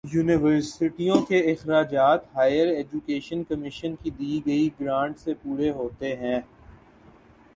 یونیورسٹیوں کے اخراجات ہائیر ایجوکیشن کمیشن کی دی گئی گرانٹ سے پورے ہوتے ہیں